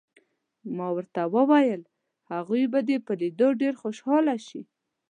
ما ورته وویل: هغوی به دې په لیدو ډېر خوشحاله شي.